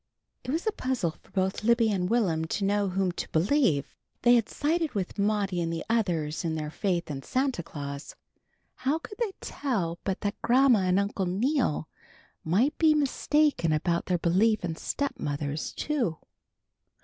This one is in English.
It was a puzzle for both Libby and Will'm to know whom to believe. They had sided with Maudie and the others in their faith in Santa Claus. How could they tell but that Grandma and Uncle Neal might be mistaken about their belief in stepmothers too?